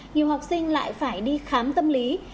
nhiều học sinh lại phải đi khám tâm lý